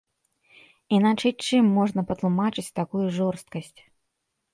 Іначай чым можна патлумачыць такую жорсткасць.